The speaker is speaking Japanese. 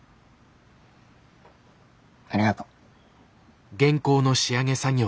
ありがとう。